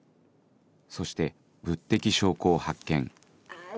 そして物的証拠を発見あぁ